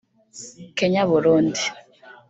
Kenya Burundi